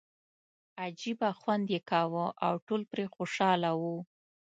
عجیبه خوند یې کاوه او ټول پرې خوشاله وو.